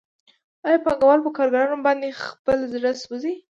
آیا پانګوال په کارګرانو باندې خپل زړه سوځوي